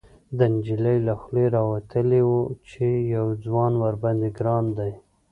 ، د نجلۍ له خولې راوتلي و چې يو ځوان ورباندې ګران دی.